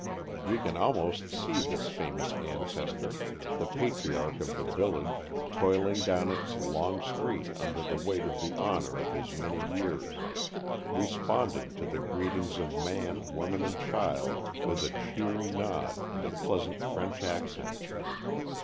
We can almost see this famous ancestor, the patriarch of the village, toiling down its long street under the weight of the honor of his many years, responding to the greetings of man, woman and child with a cheery nod and a pleasant French accent.